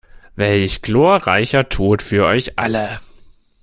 Welch glorreicher Tod für euch alle!